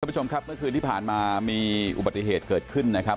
ผู้ชมครับเมื่อคืนที่ผ่านมามีอุบัติเหตุเกิดขึ้นนะครับ